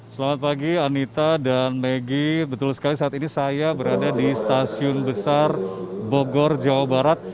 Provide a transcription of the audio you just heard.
selamat pagi anita dan maggie betul sekali saat ini saya berada di stasiun besar bogor jawa barat